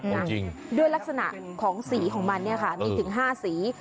จริงด้วยลักษณะของสีของมันเนี่ยค่ะมีถึง๕สี